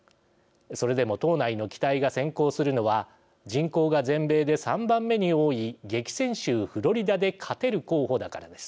それでも、党内の期待が先行するのは、人口が全米で３番目に多い激戦州フロリダで勝てる候補だからです。